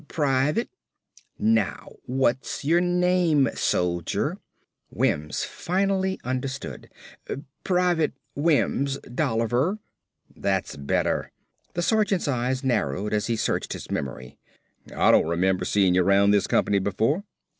"Private." "Now, what's your name, soldier." Wims finally understood. "Private Wims, Dolliver." "That's better." The sergeant's eyes narrowed as he searched his memory. "I don't r'member seein' ya 'round this company before."